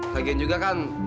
lagian juga kan